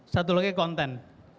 satu lagi konten